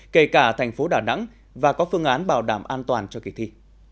kể cả thành phố đà nẵng và có phương án bảo đảm an toàn cho kỳ thi